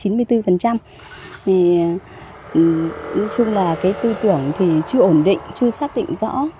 nói chung là cái tư tưởng thì chưa ổn định chưa xác định rõ